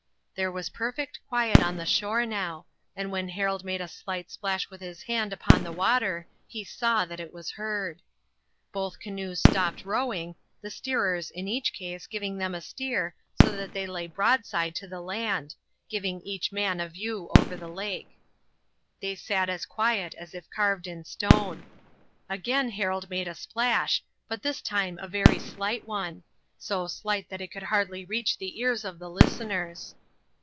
There was perfect quiet on the shore now, and when Harold made a slight splash with his hand upon the water he saw that it was heard. Both canoes stopped rowing, the steerers in each case giving them a steer so that they lay broadside to the land, giving each man a view over the lake. They sat as quiet as if carved in stone. Again Harold made a splash, but this time a very slight one, so slight that it could hardly reach the ears of the listeners.